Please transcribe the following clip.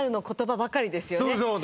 そうそう。